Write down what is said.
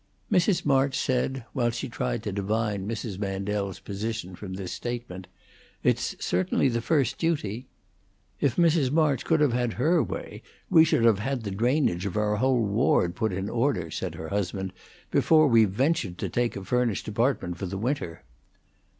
Mrs. March said, while she tried to divine Mrs. Mandel's position from this statement, "It's certainly the first duty." "If Mrs. March could have had her way, we should have had the drainage of our whole ward put in order," said her husband, "before we ventured to take a furnished apartment for the winter."